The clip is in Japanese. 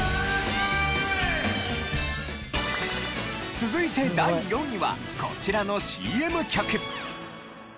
続いて第４位はこちらのＣＭ曲。